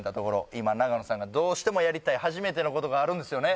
今永野さんがどうしてもやりたい初めてのことがあるんですよね？